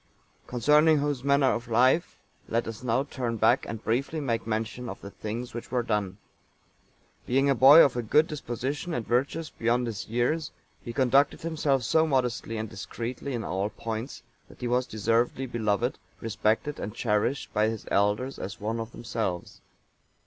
Concerning whose manner of life, let us now turn back, and briefly make mention of the things which were done.(892) Being a boy of a good disposition, and virtuous beyond his years, he conducted himself so modestly and discreetly in all points, that he was deservedly beloved, respected, and cherished by his elders as one of themselves.